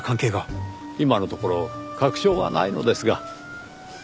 今のところ確証はないのですが。